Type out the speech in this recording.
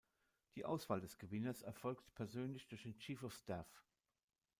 Die Auswahl des Gewinners erfolgt persönlich durch den Chief of Staff.